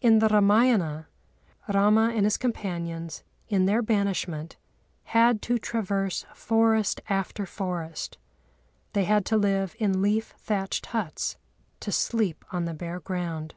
In the Râmâyana, Râma and his companions, in their banishment, had to traverse forest after forest; they had to live in leaf thatched huts, to sleep on the bare ground.